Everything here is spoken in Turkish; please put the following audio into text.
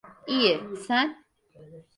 İyi, sen?